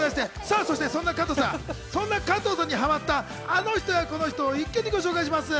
そして、そんな加藤さんにハマったあの人やこの人を一挙にご紹介します。